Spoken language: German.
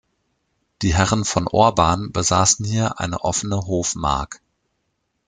Die Herren von Orban besaßen hier eine offene Hofmark.